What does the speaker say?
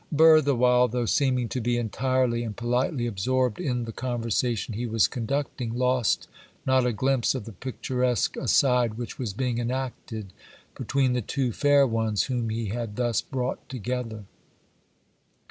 Burr, the while, though seeming to be entirely and politely absorbed in the conversation he was conducting, lost not a glimpse of the picturesque aside which was being enacted between the two fair ones whom he had thus brought together.